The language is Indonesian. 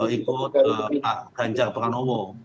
ikut ganjar pranowo